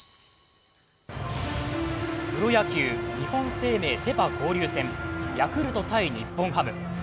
プロ野球日本生命セ・パ交流戦、ヤクルト×日本ハム。